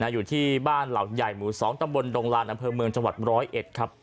อยู่ที่บ้านเหล่าใหญ่หมู่๒ตำบลดงลานอำเภอเมืองจังหวัด๑๐๑ครับ